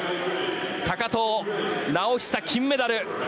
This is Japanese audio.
高藤直寿、金メダル！